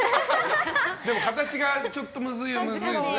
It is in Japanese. でも、形がちょっとむずいはむずいですね。